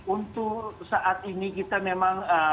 untuk saat ini kita memang